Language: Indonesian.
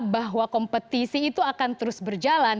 bahwa kompetisi itu akan terus berjalan